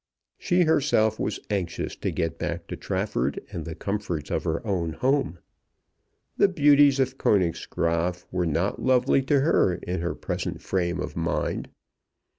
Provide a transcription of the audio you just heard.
She herself was anxious to get back to Trafford and the comforts of her own home. The beauties of Königsgraaf were not lovely to her in her present frame of mind.